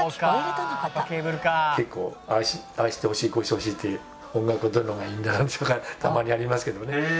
結構ああしてほしいこうしてほしいっていう音楽はどういうのがいいんだとかたまにありますけど。